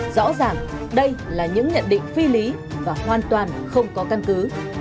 rõ ràng đây là những nhận định phi lý và hoàn toàn không có căn cứ